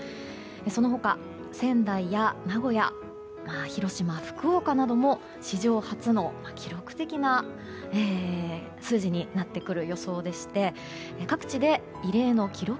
その他、仙台や名古屋広島、福岡なども史上初の記録的な数字になってくる予想でして各地で異例の記録